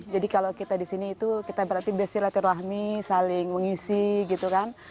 jadi kalau kita di sini itu kita berarti silaturahmi saling mengisi gitu kan